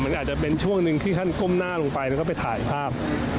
มันอาจจะเป็นช่วงหนึ่งที่ท่านก้มหน้าลงไปแล้วก็ไปถ่ายภาพ